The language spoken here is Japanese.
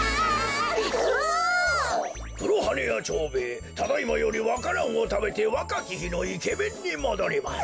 黒羽屋蝶兵衛ただいまよりわか蘭をたべてわかきひのイケメンにもどります。